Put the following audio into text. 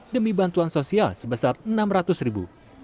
demi bantuan sosial sebesar rp enam ratus ribu